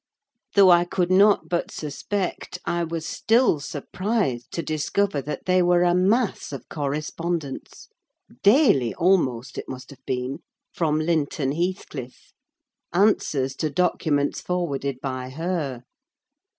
Though I could not but suspect, I was still surprised to discover that they were a mass of correspondence—daily almost, it must have been—from Linton Heathcliff: answers to documents forwarded by her.